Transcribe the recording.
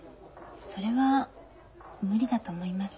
それは無理だと思います。